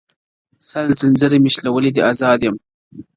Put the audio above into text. • سل زنځیره مي شلولي دي ازاد یم,